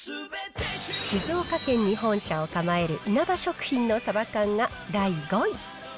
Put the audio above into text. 静岡県に本社を構えるいなば食品のサバ缶が第５位。